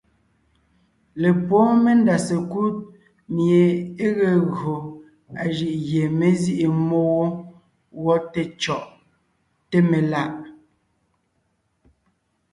Lepwóon mendá sekúd mie é ge gÿo a jʉʼ gie mé zîʼi mmó wó gwɔ té cyɔ̀ʼ, té melà’.